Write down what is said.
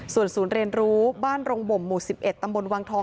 ส่วนศูนย์เรียนรู้บ้านโรงบ่มหมู่๑๑ตำบลวังทอง